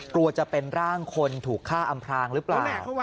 กลัวจะเป็นร่างคนถูกฆ่าอำพลางหรือเปล่า